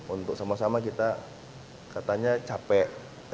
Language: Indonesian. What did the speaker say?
untuk sama sama kita katanya capek